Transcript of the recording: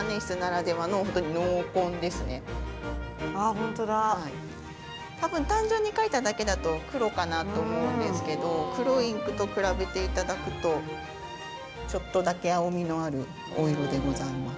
ホントだ単純に書いただけだと黒かなと思うんですけど黒インクと比べていただくとちょっとだけ青みのあるお色でございます